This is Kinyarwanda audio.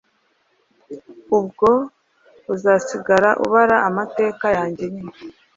Ubwo uzasigara ubara amateka yange nyine!